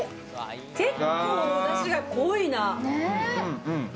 結構、おダシが濃いな。